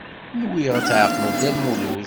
Nwiɣ ad tɛeqleḍ Dda Lmulud.